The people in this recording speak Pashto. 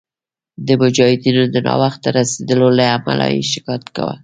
د مجاهدینو د ناوخته رسېدلو له امله یې شکایت کاوه.